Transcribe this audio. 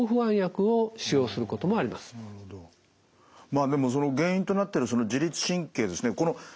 まあでもその原因となってる自律神経ですね